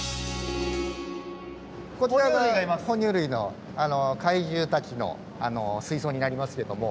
こちらが哺乳類の海獣たちの水槽になりますけども。